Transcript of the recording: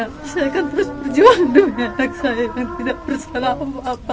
ya saya akan terus berjuang demi anak saya yang tidak bersalah apa apa